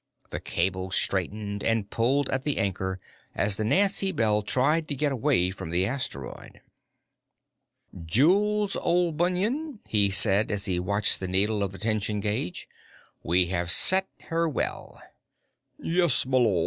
The cable straightened and pulled at the anchor as the Nancy Bell tried to get away from the asteroid. "Jules, old bunion," he said as he watched the needle of the tension gauge, "we have set her well." "Yes, m'lud.